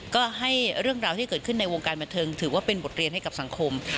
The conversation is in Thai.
ก็ให้เรื่องราวที่เกิดขึ้นในวงการบันเทิงถือว่าเป็นบทเรียนให้กับสังคม